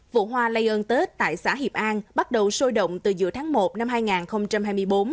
vụ hoa lây ơn tết tại xã hiệp an bắt đầu sôi động từ giữa tháng một năm hai nghìn hai mươi bốn